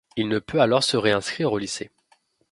Il ne peut alors se réinscrire au lycée.